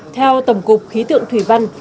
theo tổng cục khí tượng thủy văn